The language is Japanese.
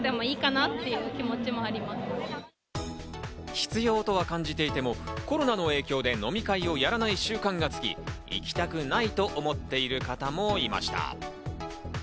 必要とは感じていてもコロナの影響で飲み会をやらない習慣がつき、行きたくないと思っている方もいました。